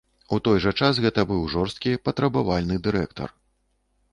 У той жа час гэта быў жорсткі, патрабавальны дырэктар.